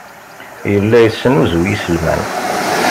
Yella yesnuzuy iselman.